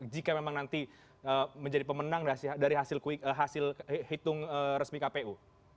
jika memang nanti menjadi pemenang dari hasil hitung resmi kpu